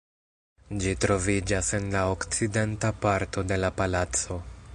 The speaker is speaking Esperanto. Ĝi troviĝas en la okcidenta parto de la palaco.